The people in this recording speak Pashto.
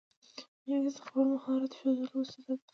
انګلیسي د خپل مهارت ښودلو وسیله ده